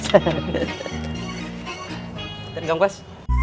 kita pergi kang bos